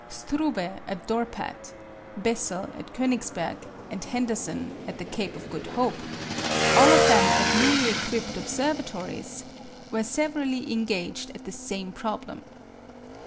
Struve at Dorpat, Bessel at Königsberg, and Henderson at the Cape of Good Hope all of them at newly equipped observatories were severally engaged at the same problem.